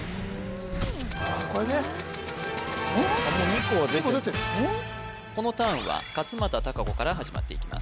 これねもう２個は出てるこのターンは勝間田貴子から始まっていきます